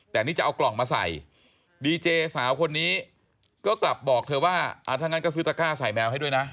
แต่นี่จะเอากล่องมาใส่ดีเจสาวคนนี้ก็กลับบอกเธอว่าถ้างั้นก็ซื้อตะก้าใส่แมวให้ด้วยนะ